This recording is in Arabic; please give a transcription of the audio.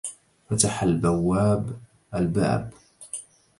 فتح البوّاب البابَ.